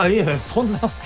そんな。